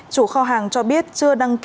chủ kho hàng cho biết chưa đăng ký